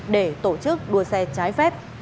để tổ chức đua xe trái phép